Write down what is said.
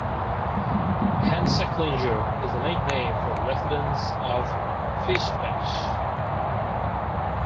Hanseklinger is a nickname for residents of Fischbach.